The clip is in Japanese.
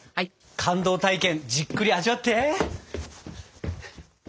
感動体験じっくり味わって！